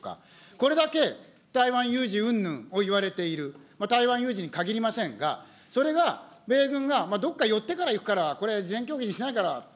これだけ台湾有事うんぬんをいわれている、台湾有事に限りませんが、それが米軍がどこか寄ってから行くから、これ、事前協議にしないから。